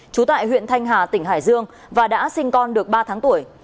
trú tại huyện thanh hà tỉnh hải dương và đã sinh con được ba tháng tuổi